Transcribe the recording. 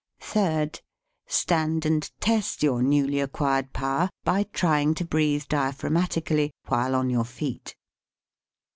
Third. Stand and test your newly ac quired power by trying to breathe diaphrag matically while on your feet.